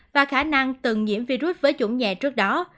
và khả năng từng nhiễm virus với chủng nhẹ trước đó